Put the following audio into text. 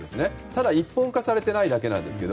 ただ、一本化されていないだけですが。